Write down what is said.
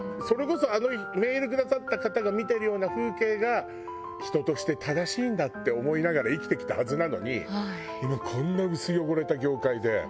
それこそメールくださった方が見てるような風景が人として正しいんだって思いながら生きてきたはずなのに今こんな薄汚れた業界で。